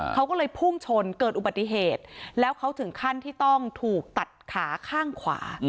เขาก็เลยพุ่งชนเกิดอุบัติเหตุแล้วเขาถึงขั้นที่ต้องถูกตัดขาข้างขวา